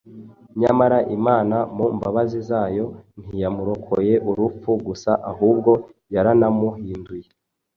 Nyamara Imana mu mbabazi zayo ntiyamurokoye urupfu gusa ahubwo yaranamuhinduye